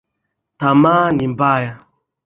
Tamaa ni mbaya